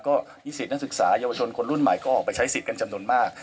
ก็นิสิตนักศึกษาเยาวชนคนรุ่นใหม่ก็ออกไปใช้สิทธิ์กันจำนวนมาก